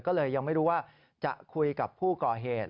ก็เลยยังไม่รู้ว่าจะคุยกับผู้ก่อเหตุ